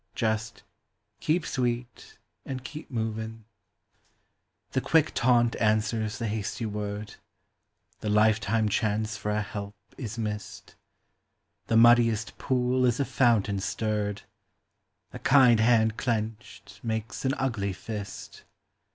Just " Keep sweet and keep movin'." The quick taunt answers the hasty word —■ The lifetime chance for a " help " is missed ; The muddiest pool is a fountain stirred, A kind hand clenched makes an ugly fist.